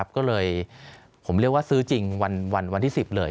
ก็เลยผมเรียกว่าซื้อจริงวันที่๑๐เลย